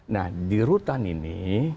nah di rutan ini